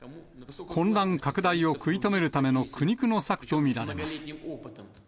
混乱拡大を食い止めるための苦肉の策と見られます。